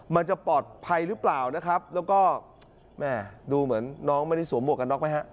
มันจะปลอดภัยหรือเปล่านะครับแล้วก็แม่ดูเหมือนน้องไม่ได้สวมหวกกันน็อกไหมฮะ